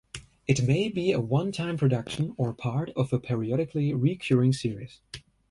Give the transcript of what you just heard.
It may be a one-time production or part of a periodically recurring series.